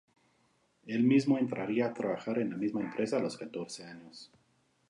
Él mismo entraría a trabajar en la misma empresa a los catorce años.